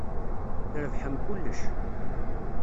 Trebḥem kullec.